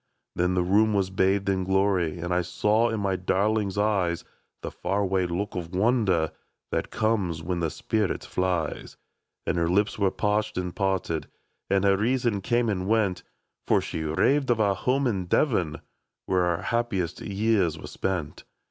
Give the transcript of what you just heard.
*^' Then the room was bathed in glory^ And I saw in my darling's eyes The far away look of wonder That comes when the spirit flies ; And her lips were parched and parted, And her reason came and went, For she raved of our home in Devon, Where our happiest years were spent.